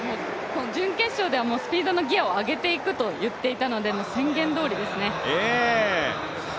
準決勝ではスピードのギアを上げていくと言っていたので宣言どおりですね。